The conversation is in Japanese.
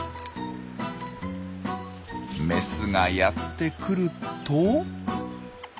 メスがやって来ると。